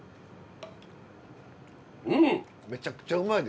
うん！